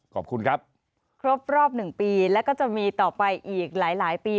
ขอบคุณครับครบรอบ๑ปีแล้วก็จะมีต่อไปอีกหลายปี